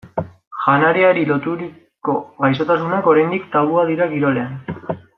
Janariari loturiko gaixotasunak oraindik tabua dira kirolean.